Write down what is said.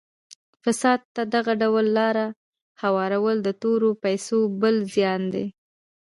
فساد ته دغه ډول لاره هوارول د تورو پیسو بل زیان دی.